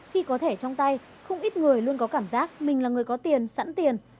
khi có thẻ trong tay không ít người luôn có cảm giác mình là người có tiền sẵn tiền